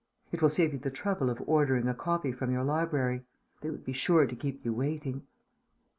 It will save you the trouble of ordering a copy from your library; they would be sure to keep you waiting....